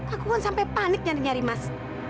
aku kan sampai panik nyari nyari mas